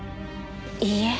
いいえ。